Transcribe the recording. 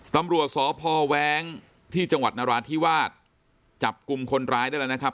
ตำรวจสพแว้งที่จังหวัดนราธิวาสจับกลุ่มคนร้ายได้แล้วนะครับ